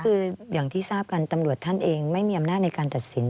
คืออย่างที่ทราบกันตำรวจท่านเองไม่มีอำนาจในการตัดสิน